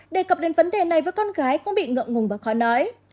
đề cập đến vấn đề này với con gái cũng bị ngậm ngùng và khó nói